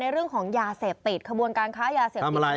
เรื่องของยาเสพติดขบวนการค้ายาเสพติด